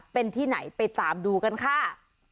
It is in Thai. เป็นที่ไหนไปตามดูกันค่ะ